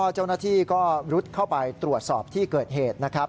เจ้าหน้าที่ก็รุดเข้าไปตรวจสอบที่เกิดเหตุนะครับ